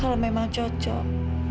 kalau memang cocok